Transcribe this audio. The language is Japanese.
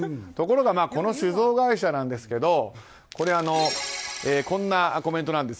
ところがこの酒造会社ですがこんなコメント。